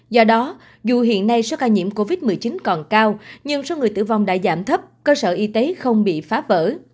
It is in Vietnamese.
do đó dù hiện nay số ca nhiễm covid một mươi chín còn cao nhưng số người tử vong đã giảm thấp cơ sở y tế không bị phá vỡ